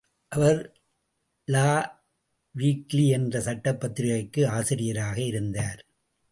அவர் law weekly என்ற சட்டப் பத்திரிகைக்கும் ஆசிரியராக இருந்தார்.